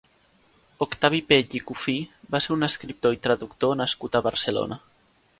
Octavi Pell i Cuffí va ser un escriptor i traductor nascut a Barcelona.